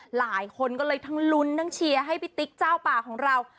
หลายคนก็เลยทั้งลุ้นทั้งเชียร์ให้พี่ติ๊กเจ้าป่าของเรา